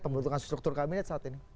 pembentukan struktur kabinet saat ini